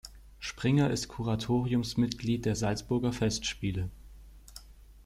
Springer ist Kuratoriumsmitglied der Salzburger Festspiele.